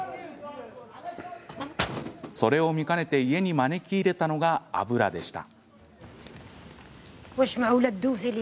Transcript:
それを見かねて家に招き入れたのがアブラでした。